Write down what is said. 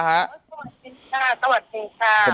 สวัสดีค่ะสวัสดีค่ะ